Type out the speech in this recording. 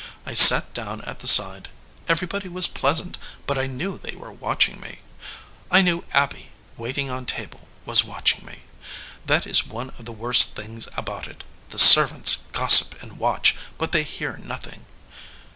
I sat down at the side. Everybody was pleasant, but I knew they were watching me. I knew Abby, waiting on table, was watching me. That is one of the worst things about it the ser vants gossip and watch, but they hear nothing."